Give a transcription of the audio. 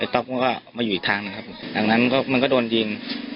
ต๊อกก็มาอยู่อีกทางนะครับดังนั้นมันก็โดนยิง